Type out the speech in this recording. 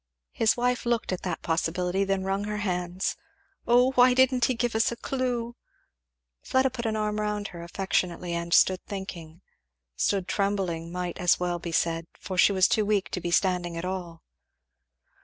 His wife looked at that possibility, and then wrung her hands. "Oh why didn't he give us a clew!" Fleda put an arm round her affectionately and stood thinking; stood trembling might as well be said, for she was too weak to be standing at all.